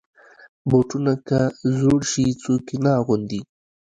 بوټونه که زوړ شي، څوک یې نه اغوندي.